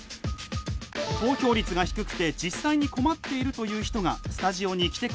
「投票率が低くて実際に困っている」という人がスタジオに来てくれました。